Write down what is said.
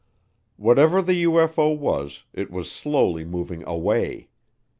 Whatever the UFO was, it was slowly moving away.